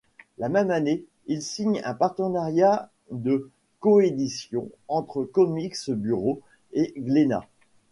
La même année, il signe un partenariat de coédition entre Comix Buro et Glénat.